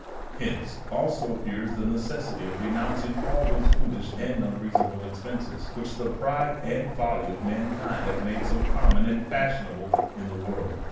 Hence also appears the necessity of renouncing all those foolish and unreasonable expenses which the pride and folly of mankind has made so common and DEVOUT AND HOLY LIFE. 65 fashionable in the world.